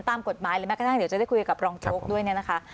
ตามกฎหมายหรือแม่งจะได้คุยกับรองโจ๊กด้วยนะคะ